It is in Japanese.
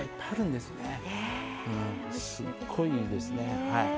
すごい、いいですね。